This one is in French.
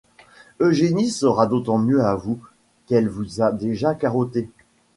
Eugénie sera d’autant mieux à vous qu’elle vous a déjà carotté...